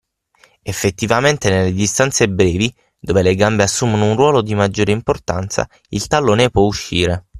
Effettivamente nelle distanze brevi, dove le gambe assumo un ruolo di maggiore importanza, il tallone può uscire.